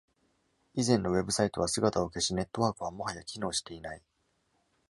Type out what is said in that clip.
以前のウェブサイトは姿を消し、ネットワークはもはや機能していない。